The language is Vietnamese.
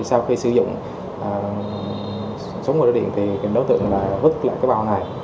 sau khi sử dụng súng và roi điện thì đối tượng vứt lại cái bao này